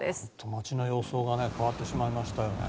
街の様相が変わってしまいましたよね。